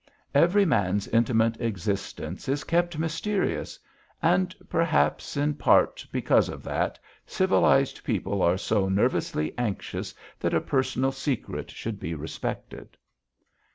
Every man's intimate existence is kept mysterious, and perhaps, in part, because of that civilised people are so nervously anxious that a personal secret should be respected.